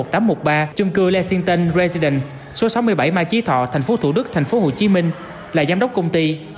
trung cư lexington residence số sáu mươi bảy mai trí thọ thành phố thủ đức thành phố hồ chí minh là giám đốc công ty